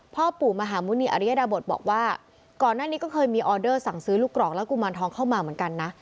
พ่อปู่มหาหมุณีอริยดาบทบอกว่าก่อนหน้านี้ก็เคยมีออเดอร์สั่งซื้อลูกกรอกและกุมารทองเข้ามาเหมือนกันนะ